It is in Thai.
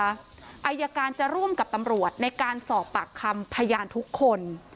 ไม่ใช่แค่ตำรวจนะคะอัยการจะร่วมกับตำรวจในการสอบปากคำพยานทุกคน